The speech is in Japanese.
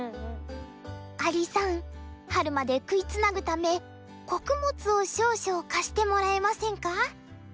「アリさん春まで食いつなぐため穀物を少々貸してもらえませんか？